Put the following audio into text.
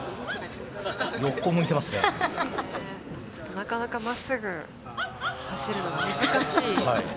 なかなかまっすぐ走るのが難しい。